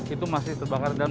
itu masih terbakar dalam